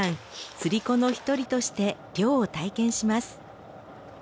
釣子の一人として漁を体験します。